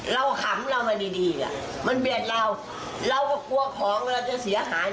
เราขำเรามาดีมันเบียดเรา